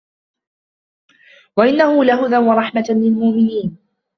وإنه لهدى ورحمة للمؤمنين